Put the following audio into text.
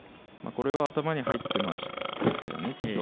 これは頭に入っていましたよねきっと。